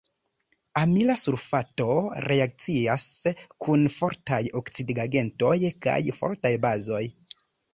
Amila sulfato reakcias kun fortaj oksidigagentoj kaj fortaj bazoj.